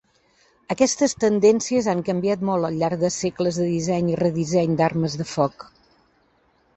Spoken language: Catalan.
Aquestes tendències han canviat molt al llarg de segles de disseny i redisseny d'armes de foc.